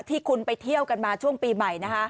ที่คุณไปเที่ยวกันมาช่วงปีใหม่นะคะ